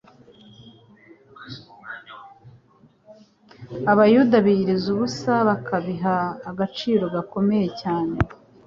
Abayuda biyirizaga ubusa bakabiha agaciro gakomeye cyane,